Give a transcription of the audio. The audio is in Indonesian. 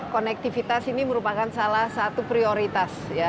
konektivitas ini merupakan salah satu prioritas